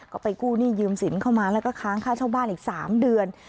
ก็ไปกู้หนี้ยืมสินเข้ามาแล้วก็ค้างค่าเช่าบ้านอีก๓เดือน